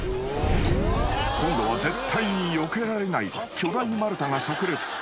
［今度は絶対によけられない巨大丸太が炸裂］